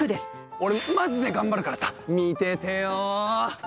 俺、まじで頑張るからさ見ててよ。